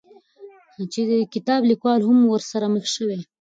چې د کتاب ليکوال هم ورسره مخ شوى،